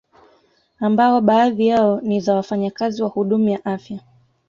Ambao baadhi yao ni za wafanyakazi wa huduma ya afya